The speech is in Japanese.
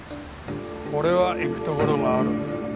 俺は行くところがある。